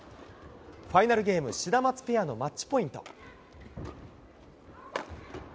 ファイナルゲーム、シダマツペアのマッチポイント。